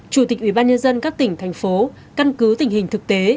chủ tịch ủy ban nhân dân các tỉnh thành phố căn cứ tình hình thực tế